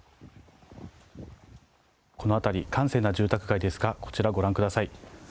この辺り、閑静な住宅街ですがこちら、ご覧ください。